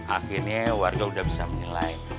akhirnya warga sudah bisa menilai